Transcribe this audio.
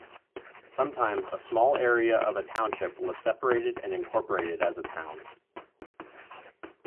Sometimes a small area of a township was separated and incorporated as a town.